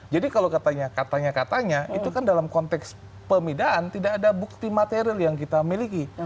kalau katanya katanya itu kan dalam konteks pemidaan tidak ada bukti material yang kita miliki